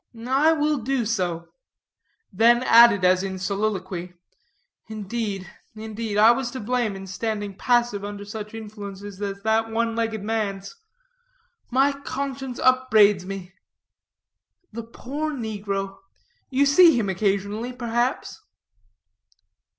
"I will do so." Then added as in soliloquy, "Indeed, indeed, I was to blame in standing passive under such influences as that one legged man's. My conscience upbraids me. The poor negro: You see him occasionally, perhaps?"